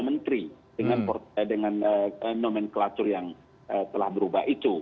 mencari dua menteri dengan nomenklatur yang telah berubah itu